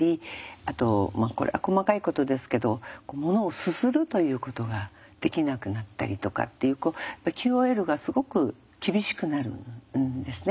あとこれは細かいことですけどものをすするということができなくなったりとかっていうＱＯＬがすごく厳しくなるんですね。